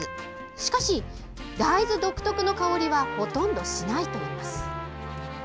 しかし、大豆独特の香りはほとんどしないといいます。